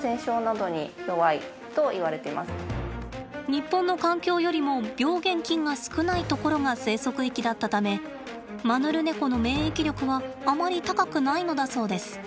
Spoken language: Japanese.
日本の環境よりも病原菌が少ない所が生息域だったためマヌルネコの免疫力はあまり高くないのだそうです。